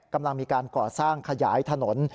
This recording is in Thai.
กำลังมีการก่อสร้างขยายถนน